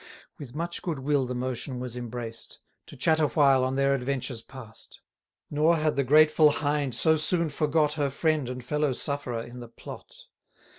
With much good will the motion was embraced, 560 To chat a while on their adventures pass'd: Nor had the grateful Hind so soon forgot Her friend and fellow sufferer in the Plot.